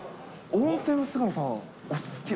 温泉は菅野さん、お好き？